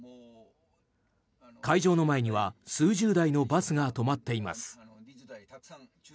会場の前には数十台のバスが止まっています。